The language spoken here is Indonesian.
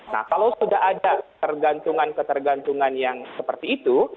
nah kalau sudah ada ketergantungan ketergantungan yang seperti itu